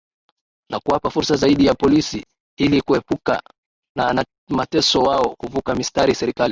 Ni kuwapa fursa zaidi ya polisi Ili kuepukana na mateso wao kuvuka mistari serikali